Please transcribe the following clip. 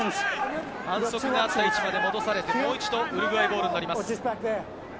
反則があった位置まで戻されて、もう一度ウルグアイボールになります。